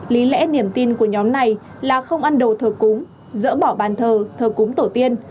lý lẽ niềm tin của nhóm này là không ăn đồ thờ cúng dỡ bỏ bàn thờ thờ cúng tổ tiên